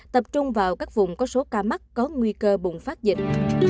tập trung vào các vùng có số ca mắc có nguy cơ bùng phát dịch